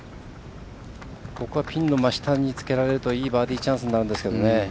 ここはピンの真下につけられるといいバーディーチャンスになるんですが。